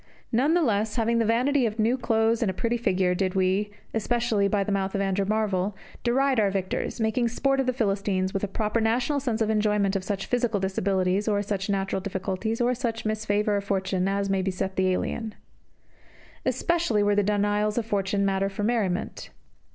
None the less, having the vanity of new clothes and a pretty figure, did we especially by the mouth of Andrew Marvell deride our victors, making sport of the Philistines with a proper national sense of enjoyment of such physical disabilities, or such natural difficulties, or such misfavour of fortune, as may beset the alien. Especially were the denials of fortune matter for merriment.